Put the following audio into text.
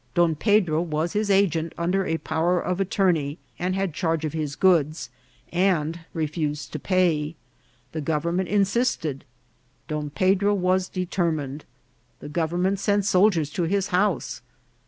Don Pedro was his agent under a power of attorney, and had charge of his goods, and refused to pay. The government insist ed; Don Pedro was determined. The government sent soldiers to his house.